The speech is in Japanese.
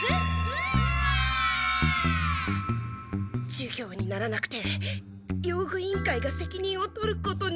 授業にならなくて用具委員会が責任を取ることに。